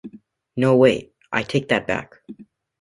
No, wait: I take that back.